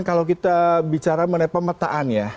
kalau kita bicara mengenai pemetaan ya